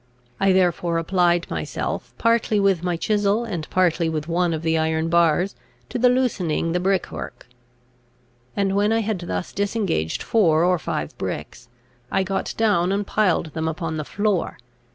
I therefore applied myself, partly with my chisel, and partly with one of the iron bars, to the loosening the brick work; and when I had thus disengaged four or five bricks, I got down and piled them upon the floor.